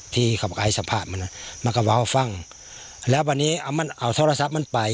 ที่เขาไอศัพท์มันน่ะมันก็ว้าวเขาฟังแล้ววันนี้เอามันเอาโทรศัพท์มันไป